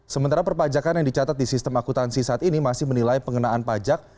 sementara perpajakan yang dicatat di sistem akutansi saat ini masih menilai pengenaan pajak